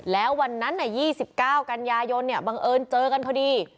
แล้ววันนั้นอ่ะยี่สิบเก้ากันยายนเนี้ยบังเอิญเจอกันเข้าดี